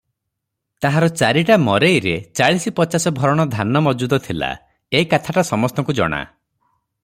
ତାହାର ଚାରିଟା ମରେଇରେ ଚାଳିଶ ପଚାଶ ଭରଣ ଧାନ ମଜୁଦ ଥିଲା, ଏ କାଥାଟା ସମସ୍ତଙ୍କୁ ଜଣା ।